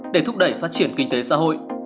để thúc đẩy phát triển cơ hội